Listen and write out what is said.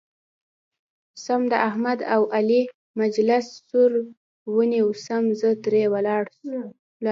سم د احمد او علي مجلس سور ونیو سم زه ترې ولاړم.